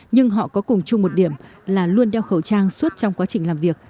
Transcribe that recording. nhưng họ có cùng chung một điểm là luôn đeo khẩu trang suốt trong quá trình làm việc